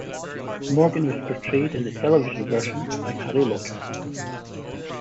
Morgan was portrayed in the television version by Harry Lauter.